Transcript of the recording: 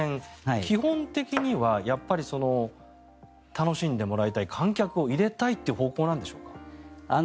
基本的には楽しんでもらいたい観客を入れたいという方向なんでしょうか？